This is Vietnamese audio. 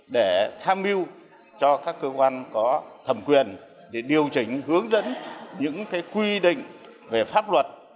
để tham mưu cho các cơ quan có thẩm quyền để điều chỉnh hướng dẫn những quy định về pháp luật